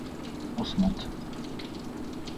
اصمت!